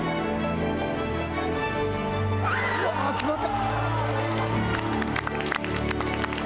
ああ、決まった。